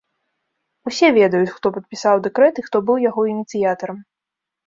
Усе ведаюць, хто падпісаў дэкрэт і хто быў яго ініцыятарам.